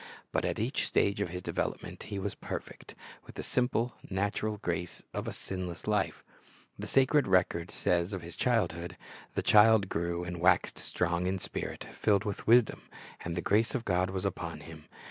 But at each stage of His development He was perfect, with the simple, natural grace of a sinless life. The sacred record says of His childhood, "The child grew, and waxed strong in spirit, filled with wisdom; and the grace of God was upon Him."